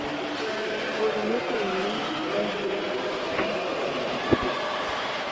Fungo-miti ni mnyama ambaye hula sana bila kujali kesho.